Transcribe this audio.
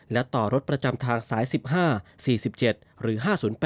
และต่อรถประจำทางสาย๑๕๔๗หรือ๕๐๘